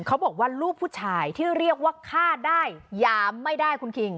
เขาบอกว่าลูกผู้ชายที่เรียกว่าฆ่าได้หยามไม่ได้คุณคิง